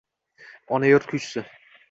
«Ona yurt kuychisi»